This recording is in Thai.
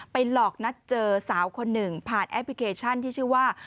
หลอกนัดเจอสาวคนหนึ่งผ่านแอปพลิเคชันที่ชื่อว่า